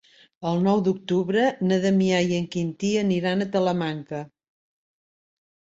El nou d'octubre na Damià i en Quintí aniran a Talamanca.